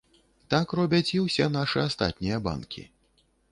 Так робяць і ўсе нашы астатнія банкі.